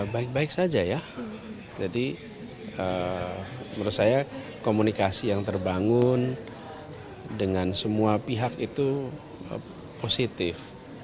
baik baik saja ya jadi menurut saya komunikasi yang terbangun dengan semua pihak itu positif